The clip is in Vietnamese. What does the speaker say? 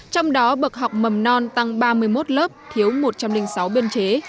trong đó bậc học mầm non tăng ba mươi một lớp thiếu một trăm linh sáu biên chế